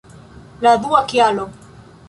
La dua kialo!